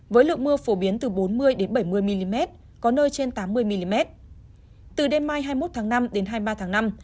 với lượng mưa phổ biến từ bốn mươi bảy mươi mm có nơi trên tám mươi mm từ đêm mai hai mươi một tháng năm đến hai mươi ba tháng năm